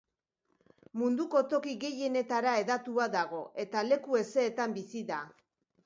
Munduko toki gehienetara hedatua dago eta leku hezeetan bizi da.